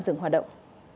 dừng hoạt động